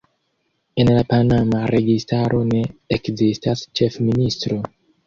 En la panama registaro ne ekzistas ĉefministro.